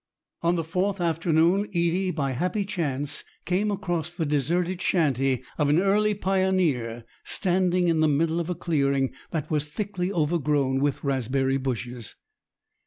On the fourth afternoon, Edie, by happy chance, came across the deserted shanty of an early pioneer, standing in the middle of a clearing that was thickly overgrown with raspberry bushes.